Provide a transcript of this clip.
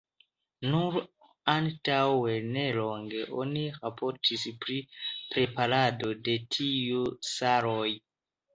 Nur antaŭnelonge oni raportis pri preparado de tiu saloj.